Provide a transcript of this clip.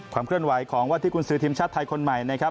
ความเคลื่อนไหวของวันที่กุญสือทีมชาติไทยคนใหม่นะครับ